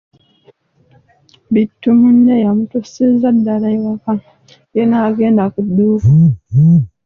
Bittu munne yamutusiza ddala ewaka , ye n'agenda ku dduuka.